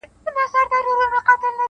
پر مزلونو د کرې ورځي پښېمان سو -